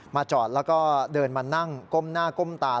จอดแล้วก็เดินมานั่งก้มหน้าก้มตา